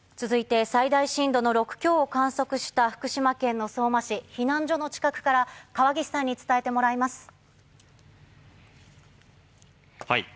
続いて最大震度の６強を観測した福島県の相馬市、避難所の近くから河岸さんに伝えてもらいます。